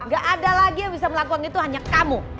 gak ada lagi yang bisa melakukan itu hanya kamu